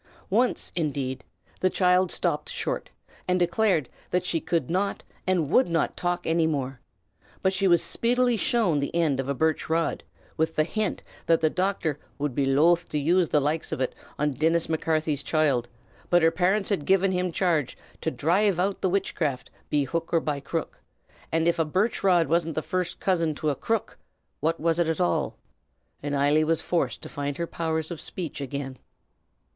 Once, indeed, the child stopped short, and declared that she could not and would not talk any more; but she was speedily shown the end of a birch rod, with the hint that the doctor "would be loth to use the likes av it on Dinnis Macarthy's choild; but her parints had given him charge to dhrive out the witchcraft be hook or be crook; and av a birch rod wasn't first cousin to a crook, what was it at all?" and Eily was forced to find her powers of speech again.